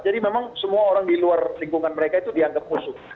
jadi memang semua orang di luar lingkungan mereka itu dianggap musuh